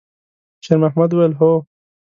شېرمحمد وویل: «هو.»